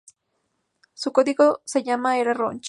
Su código de llamada era "Roach".